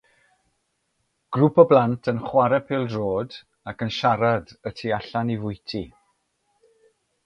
Grŵp o blant yn chwarae pêl-droed ac yn siarad y tu allan i fwyty.